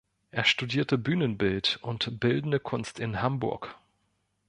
Er studierte "Bühnenbild" und "Bildende Kunst" in Hamburg.